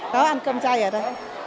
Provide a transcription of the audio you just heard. có ăn cơm chay ở đây